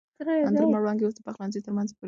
د لمر وړانګې اوس د پخلنځي تر منځه پورې رسېدلې وې.